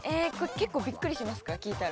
◆結構びっくりしますか、聞いたら。